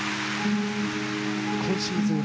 今シーズン